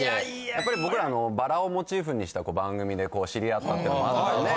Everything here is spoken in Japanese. やっぱり僕らバラをモチーフにした番組で知り合ったってのもあったので。